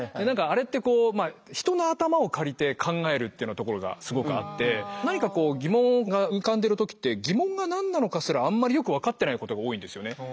何かあれって人の頭を借りて考えるっていうようなところがすごくあって何か疑問が浮かんでる時って疑問が何なのかすらあんまりよく分かってないことが多いんですよね。